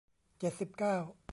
เจ็ดสิบเก้า